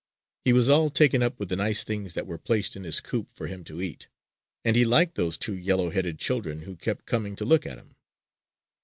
He was all taken up with the nice things that were placed in his coop for him to eat; and he liked those two yellow headed children who kept coming to look at him!